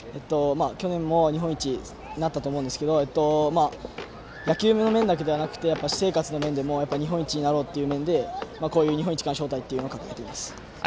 去年も日本一になったと思うんですが野球の面だけでなく私生活の面でも日本一になろうということでこういう日本一からの招待と書いています。